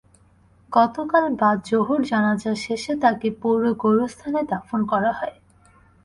গতকাল বাদ জোহর জানাজা শেষে তাঁকে পৌর গোরস্থানে দাফন করা হয়।